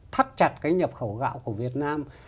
thắt chặt cái nhập khẩu gạo của việt nam